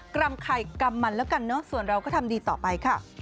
กรรมไข่กรรมมันแล้วกันเนอะส่วนเราก็ทำดีต่อไปค่ะ